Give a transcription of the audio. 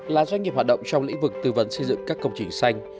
là doanh nghiệp hoạt động trong lĩnh vực tư vấn xây dựng các công trình xanh